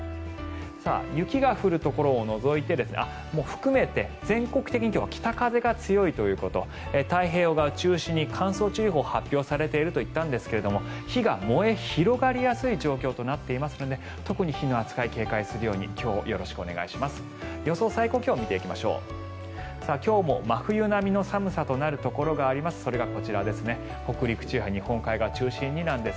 雪が降るところも含めて全国的に今日は北風が強いということ太平洋側を中心に乾燥注意報が発表されていると言ったんですが火が燃え広がりやすい状況となっていますので特に火の扱い、警戒するように今日よろしくお願いします。